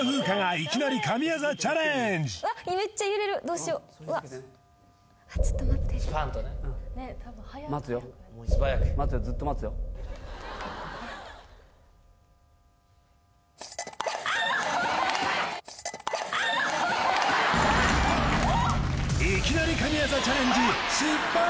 いきなり神業チャレンジ失敗！